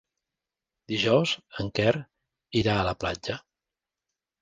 Dijous en Quer irà a la platja.